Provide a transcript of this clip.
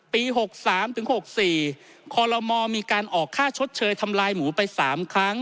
๖๓ถึง๖๔คอลโลมมีการออกค่าชดเชยทำลายหมูไป๓ครั้ง